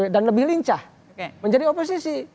dan lebih lincah menjadi oposisi